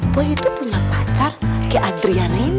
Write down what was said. boy itu punya pacar kayak adriana ini